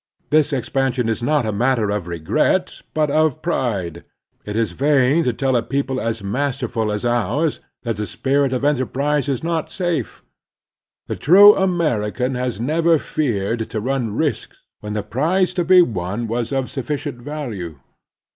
This expansion is not a matter of regret, but of pride. It is vain to tell a people as masterful as ours that the spirit of enterprise is not safe. The true American has never feared to run risks when the prize to be won was of sufficient value.